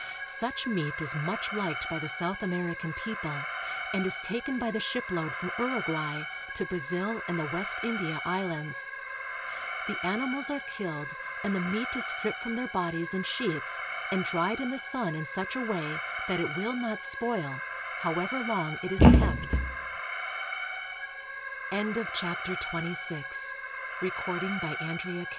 Such meat is much liked by the South American people, and is taken by the ship load from Uruguay to Brazil and the West India Islands. The animals are killed, and the meat is stripped from their bodies in sheets and dried in the sun in such a way that it will not spoil, however